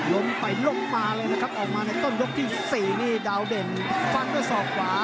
ล้มไปล้มมาเลยนะครับออกมาในต้นยกที่๔นี่ดาวเด่นฟันด้วยศอกขวา